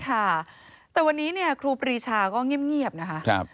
ข้าแต่วันนี้ครูบริชาก็เงี่ยมนะคะ